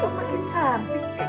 kok makin cantik